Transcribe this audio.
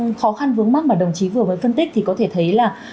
ở trên cơ sở những khó khăn vướng mắt mà đồng chí vừa mới phân tích thì có thể thấy là